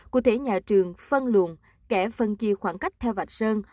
cụ thể nhà trường phân luận kẻ phân chia khoảng cách theo vạch sơn